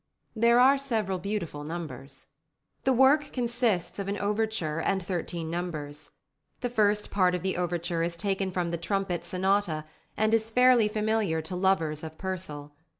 There are several beautiful numbers. The work consists of an overture and thirteen numbers. The first part of the overture is taken from the "Trumpet Sonata," and is fairly familiar to lovers of Purcell.